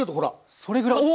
それぐらいおお！